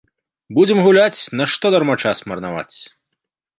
Будзем гуляць, нашто дарма час марнаваць!